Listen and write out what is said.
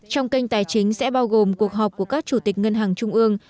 trong kênh tài chính sẽ bao gồm cuộc họp của các chủ tịch ngân hàng trung ương